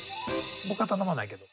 僕は頼まないけど。